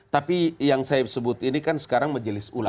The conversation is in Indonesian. tapi yang saya sebut ini kan sekarang majelis ulama